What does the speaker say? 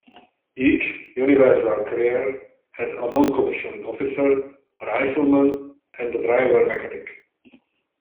Each Universal Carrier had a non-commissioned officer, a rifleman and a driver-mechanic.